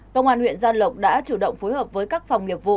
công an huyện gia lộc đã chủ động phối hợp với các phòng nghiệp vụ